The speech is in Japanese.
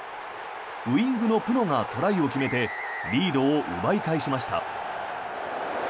ウィングのプノがトライを決めてリードを奪い返しました。